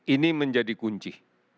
ini menjadi kunci